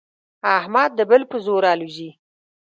احمد د بل په زور الوزي.